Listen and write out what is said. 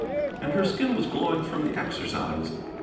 And her skin was glowing from the exercise.